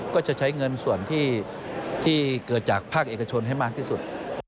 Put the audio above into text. ก็จะใช้เงินส่วนที่เกิดจากภาคเอกชนให้มากที่สุด